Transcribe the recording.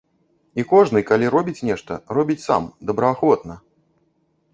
І кожны, калі робіць нешта, робіць сам, добраахвотна.